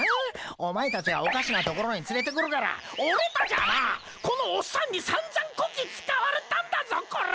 お前たちがおかしなところに連れてくるから俺たちゃなあこのおっさんにさんざんこき使われたんだぞこら！